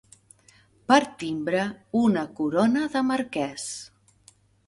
Per timbre una corona de marquès.